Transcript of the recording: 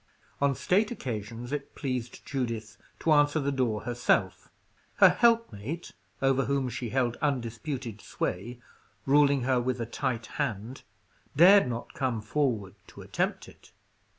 On state occasions it pleased Judith to answer the door herself; her helpmate, over whom she held undisputed sway, ruling her with a tight hand, dared not come forward to attempt it.